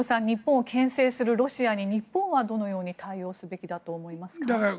日本をけん制するロシアに日本はどのように対応すべきだと思いますか？